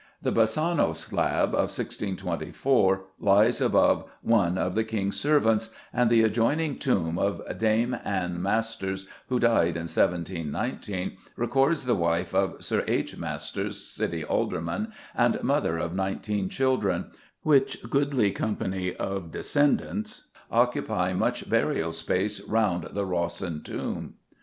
The Basano slab, of 1624, lies above "one of the King's servants," and the adjoining tomb of Dame Anne Masters, who died in 1719, records the wife of Sir H. Masters, City Alderman, and mother of nineteen children, which goodly company of descendants occupy much burial space round the Rawson tomb.